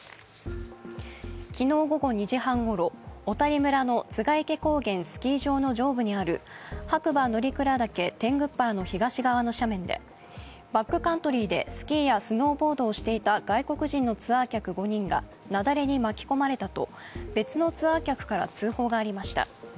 昨日午後２時半ごろ、小谷村の栂池高原スキー場の上部にある白馬乗鞍岳天狗原の東側の斜面でバックカントリーでスキーやスノーボードをしていた外国人のツアー客５人が雪崩に巻き込まれたと、別のツアー客から通報がありました。